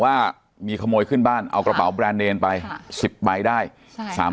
ว่ามีขโมยขึ้นบ้านเอากระเป๋าแบรนด์เนรไปสิบใบได้ใช่